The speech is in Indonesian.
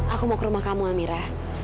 aku mau ke rumah kamu amira